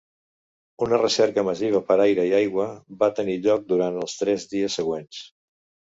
Una recerca massiva per aire i aigua va tenir lloc durant els tres dies següents.